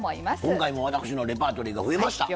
今回も私のレパートリーが増えました。